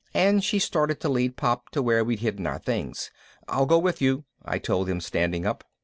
And she started to lead Pop to where we'd hidden our things. "I'll go with you," I told them, standing up.